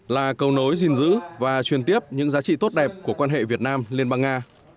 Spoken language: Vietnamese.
là cầu nối gìn giữ và truyền tiếp những giá trị tốt đẹp của quan hệ việt nam liên bang nga